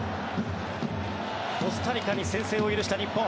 コスタリカに先制を許した日本。